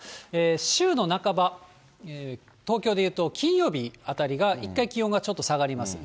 週の半ば、東京でいうと金曜日あたりが、一回気温がちょっと下がります。